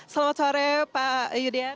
selamat sore pak yudian